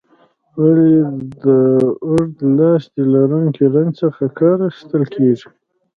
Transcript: ولې د اوږد لاستي لرونکي رنچ څخه کار اخیستل کیږي؟